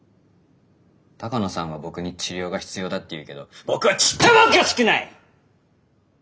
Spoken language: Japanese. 鷹野さんは僕に治療が必要だって言うけど僕はちっともおかしくない！